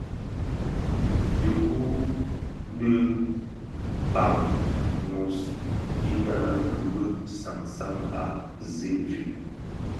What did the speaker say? Dhiku u di kpaň wos, inne kibi sansan a zi infin,